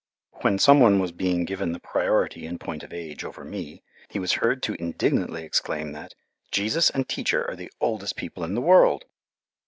When some one was being given the priority in point of age over me, he was heard to indignantly exclaim that "Jesus and Teacher are the oldest people in the world."